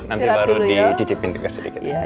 nanti baru dicicipin juga sedikit